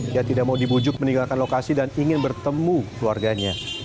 yang tidak mau dibujuk meninggalkan lokasi dan ingin bertemu keluarganya